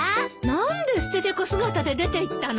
何でステテコ姿で出ていったの？